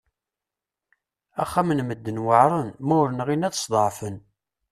Ixxamen n medden weɛṛen ma ur nɣin ad sḍeɛfen!